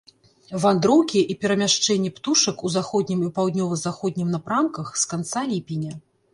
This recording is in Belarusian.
Вандроўкі і перамяшчэнні птушак у заходнім і паўднёва-заходнім напрамках з канца ліпеня.